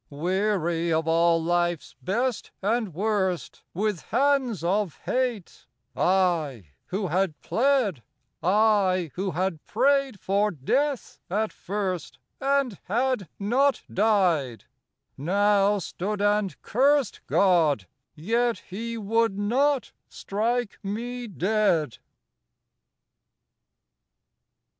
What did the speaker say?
Weary of all life's best and worst, With hands of hate, I who had pled, I, who had prayed for death at first And had not died now stood and cursed God, yet He would not strike me dead.